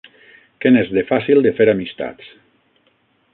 Que n'és, de fàcil, de fer amistats